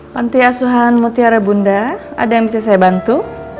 panti asuhan mutiara bunda ada yang bisa saya bantu